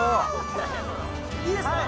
いいですか？